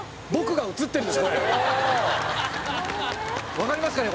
「わかりますかね？